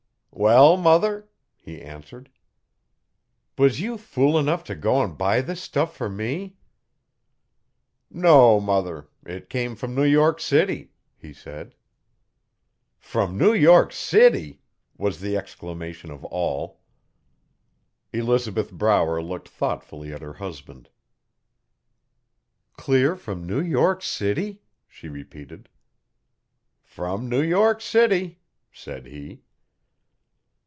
'Well, mother,' he answered. 'Was you fool enough t' go'n buy this stuff fer me?' 'No, mother it come from New York City,' he said. 'From New York City?' was the exclamation of all. Elizabeth Brower looked thoughtfully at her husband. 'Clear from New York City?' she repeated. 'From New York City,' said he.